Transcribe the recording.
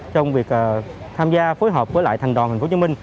trong việc tham gia phối hợp với lại thành đoàn tp hcm